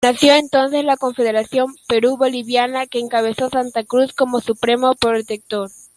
Nació entonces la Confederación Perú-Boliviana que encabezó Santa Cruz como Supremo Protector.